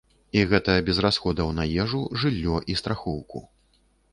І гэта без расходаў на ежу, жыллё, і страхоўку.